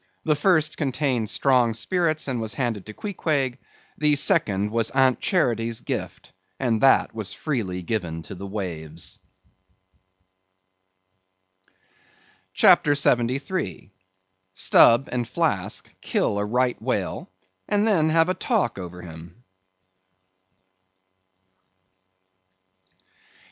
The first contained strong spirits, and was handed to Queequeg; the second was Aunt Charity's gift, and that was freely given to the waves. CHAPTER 73. Stubb and Flask kill a Right Whale; and Then Have a Talk over Him.